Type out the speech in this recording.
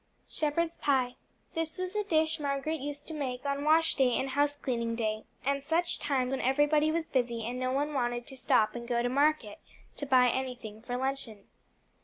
Shepherd's Pie This was a dish Margaret used to make on wash day and house cleaning day, and such times when everybody was busy and no one wanted to stop and go to market to buy anything for luncheon.